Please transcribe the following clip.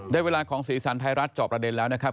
เวลาของสีสันไทยรัฐจอบประเด็นแล้วนะครับ